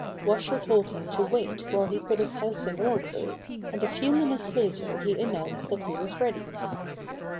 Washer told him to wait while he put his house in order, and a few minutes later he announced that he was ready.